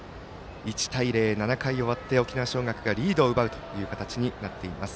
１対０、７回終わって沖縄尚学がリードを奪うという形になっています。